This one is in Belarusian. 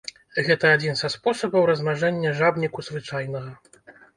Гэта адзін са спосабаў размнажэння жабніку звычайнага.